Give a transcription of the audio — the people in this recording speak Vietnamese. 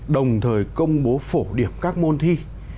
đồng thời công bố phổ điểm các môn thi